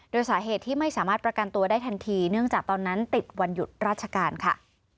โดยสาเหตุที่ไม่สามารถประกันตัวได้ทันทีเนื่องจากตอนนั้นติดวันหยุดราชการค่ะ